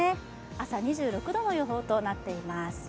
朝、２６度の予報となっています。